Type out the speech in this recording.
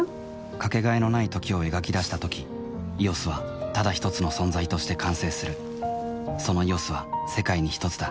かけがえのない「時」を描き出したとき「ＥＯＳ」はただひとつの存在として完成するその「ＥＯＳ」は世界にひとつだ